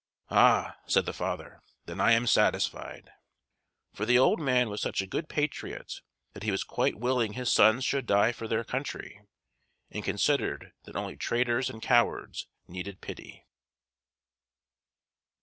"Ah!" said the father, "then I am satisfied!" For the old man was such a good patriot that he was quite willing his sons should die for their country, and considered that only traitors and cowards needed pity.